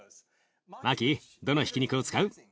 マキどのひき肉を使う？